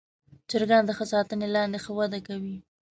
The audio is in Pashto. چرګان د ښه ساتنې لاندې ښه وده کوي.